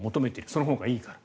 そのほうがいいから。